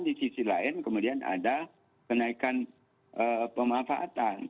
di sisi lain kemudian ada kenaikan pemanfaatan